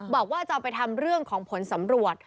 บอกว่าจะเอาไปทำเรื่องของผลสำรวจ